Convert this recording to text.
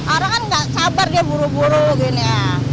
orang kan nggak sabar dia buru buru gini ya